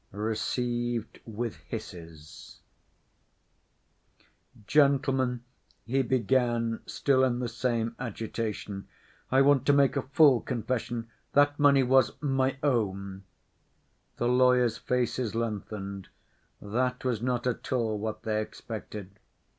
Received With Hisses "Gentlemen," he began, still in the same agitation, "I want to make a full confession: that money was my own." The lawyers' faces lengthened. That was not at all what they expected.